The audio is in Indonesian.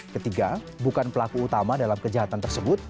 ketiga bukan pelaku utama dalam kejahatan tersebut